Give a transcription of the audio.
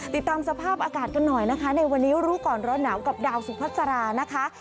ติดตามสภาพอากาศกันหน่อยนะคะในวันนี้รู้ก่อนร้อนหนาวกับดาวสุพัสรานะคะ